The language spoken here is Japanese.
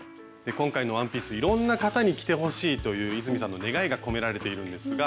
今回のワンピースいろんな方に着てほしいという泉さんの願いが込められているんですが。